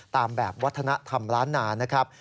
ตามแบบวัฒนธรรมล้านนานะครับ